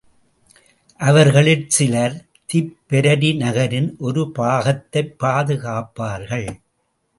அவர்களில் சிலர் திப்பெரரி நகரின் ஒரு பாகத்தைப் பாதுகாப்பார்கள்.